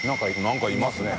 何かいますね。